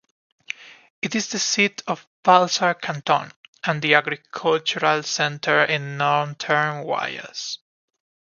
It is the seat of Balzar Canton, and the agricultural center in northern Guayas.